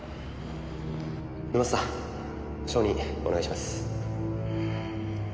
沼田さん証人お願いします。